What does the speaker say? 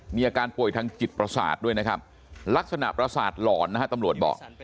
มีอาการป่วยทางจิตประสาทด้วยนะครับลักษณะประสาทหลอนนะฮะตำรวจบอก